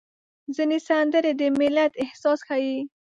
ځینې سندرې د ملت احساس ښيي.